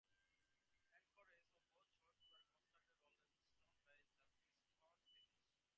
Anchorages on both shores were constructed of limestone base and a freestone finish.